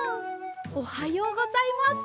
おはようございます。